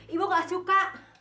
ibu gak suka